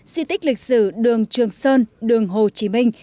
di tích lịch sử đường trường sơn đường hồ chí minh